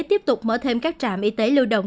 tiếp tục mở thêm các trạm y tế lưu động